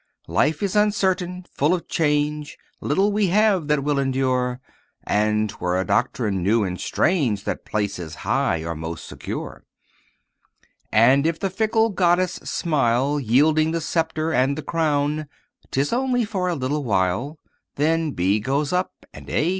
Life is uncertain full of change; Little we have that will endure; And 't were a doctrine new and strange That places high are most secure; And if the fickle goddess smile, Yielding the scepter and the crown, 'Tis only for a little while, Then B. goes up and A.